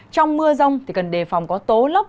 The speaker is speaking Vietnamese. trong mưa rông thì cần đề phòng có tố lốc